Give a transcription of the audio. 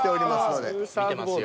見てますよ。